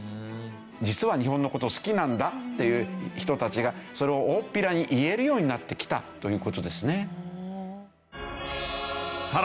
実は日本の事を好きなんだっていう人たちがそれを大っぴらに言えるようになってきたという事ですね。